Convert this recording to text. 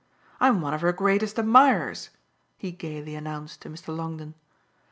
I'm one of her greatest admirers," he gaily announced to Mr. Longdon.